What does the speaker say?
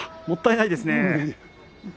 もったいないですね。